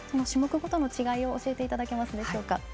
種目ごとの違いを教えていただけますでしょうか。